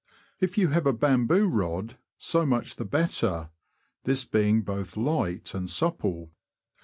If you have a bamboo rod, so much the better, this being both light and supple.